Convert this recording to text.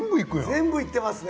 全部いってますね。